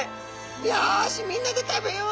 「よしみんなで食べよう。